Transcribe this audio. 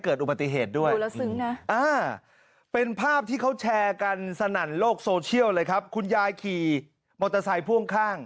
เกิดอุบัติเหตุด้วยซึ้งนะเป็นภาพที่เขาแชร์กันสนั่นโลกโซเชียลเลยครับคุณยายขี่มอเตอร์ไซค์พ่วงข้าง